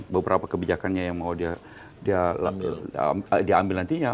beberapa kebijakannya yang mau dia ambil nantinya